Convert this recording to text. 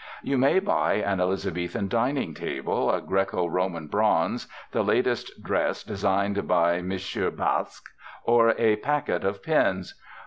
You may buy an Elizabethan dining table, a Graeco Roman bronze, the latest dress designed by M. Bakst, or a packet of pins.